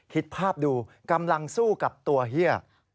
คิดภาพดูกำลังสู้กับตัวเฮีย